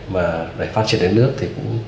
và phát triển đến nước